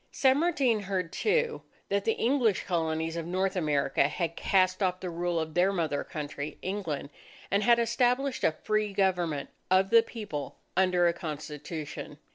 San Martin heard, too, that the English Colonies of North America had cast off the rule of their mother country, England, and had established a free government of the People under a Constitution.